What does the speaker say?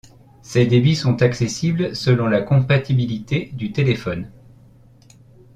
Ces débits sont accessibles selon la compatibilité du téléphone.